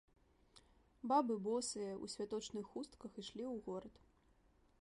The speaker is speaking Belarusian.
Бабы босыя, у святочных хустках, ішлі ў горад.